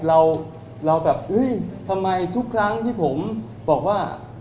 เราแบบทำไมทุกครั้งที่ผมบอกว่า